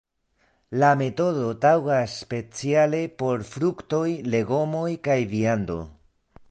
La metodo taŭgas speciale por fruktoj, legomoj kaj viando.